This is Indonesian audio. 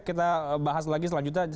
kita bahas lagi selanjutnya